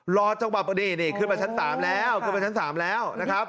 รอจังหวะพอดีนี่ขึ้นมาชั้น๓แล้วขึ้นไปชั้น๓แล้วนะครับ